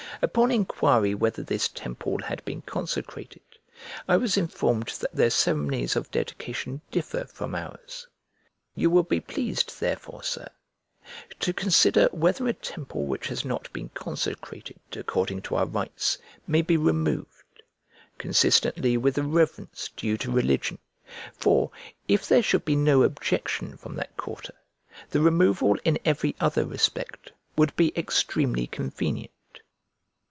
Upon enquiry whether this temple had been consecrated, I was informed that their ceremonies of dedication differ from ours. You will be pleased therefore, Sir, to consider whether a temple which has not been consecrated according to our rites may be removed,[1040b] consistently with the reverence due to religion: for, if there should be no objection from that quarter, the removal in every other respect would be extremely convenient.